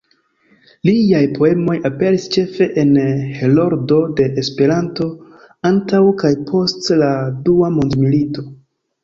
Liaj poemoj aperis ĉefe en Heroldo de Esperanto antaŭ kaj post la Dua Mondmilito.